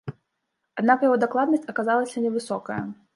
Аднак яго дакладнасць аказалася невысокая.